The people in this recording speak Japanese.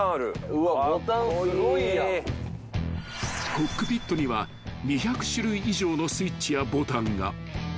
［コックピットには２００種類以上のスイッチやボタンが］